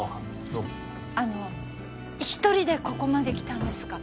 どうもあの一人でここまで来たんですか？